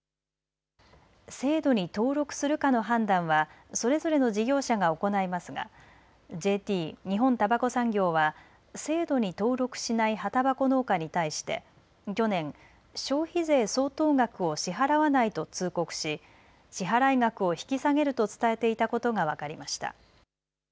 制度に登録するかの判断はそれぞれの事業者が行いますがＪＴ・日本たばこ産業は制度に登録しない葉たばこ農家に対して去年、消費税相当額を支払わないと通告し支払額を引き下げると伝えていたことが分かりました。